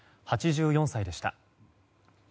８４歳でした。